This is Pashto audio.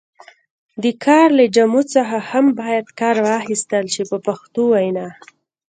د کار له جامو څخه هم باید کار واخیستل شي په پښتو وینا.